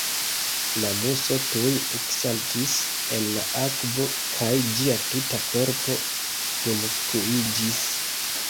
La Muso tuj eksaltis el la akvo, kaj ĝia tuta korpo timskuiĝis.